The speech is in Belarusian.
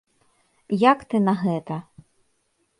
Як ты на гэта?